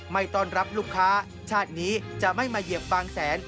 ไม่ต้อนรับลูกค้าชาตินี้จะไม่มาเหยียบบางแสน